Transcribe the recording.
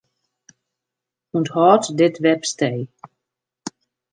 Unthâld dit webstee.